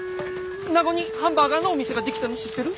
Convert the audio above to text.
名護にハンバーガーのお店が出来たの知ってる？